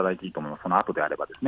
そのあとであればですね。